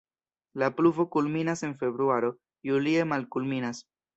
La pluvo kulminas en februaro, julie malkulminas.